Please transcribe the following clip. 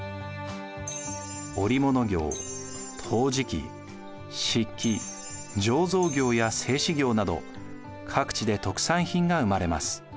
織物業陶磁器漆器醸造業や製紙業など各地で特産品が生まれます。